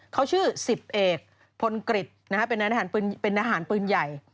เขาชื่อสิบเอกพลกริดเป็นอาหารปืนใหญ่